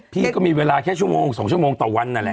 พี่ก็มีเวลาแค่ชั่วโมง๒ชั่วโมงต่อวันนั่นแหละ